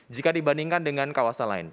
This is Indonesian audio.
jika dibandingkan dengan kawasan lain